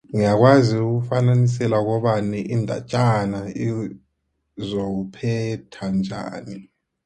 Ngiyakwazi ukufunisela kobana indatjana izokuphetha njani.